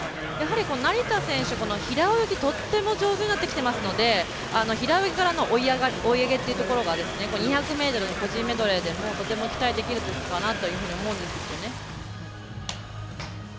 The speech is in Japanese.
成田選手平泳ぎ、とっても上手になってきてますので平泳ぎからの追い上げっていうところが２００ｍの個人メドレーでもとても期待できるところかなというふうに思うんですよね。